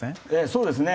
そうですね。